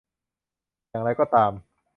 อย่างไรก็ตาม